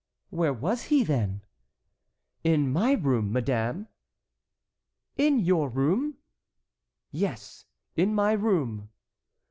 "Where was he, then?" "In my room, madame." "In your room?" "Yes, in my room."